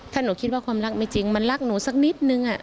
ถ้าหนูคิดว่าความรักไม่จริงมันรักหนูสักนิดนึง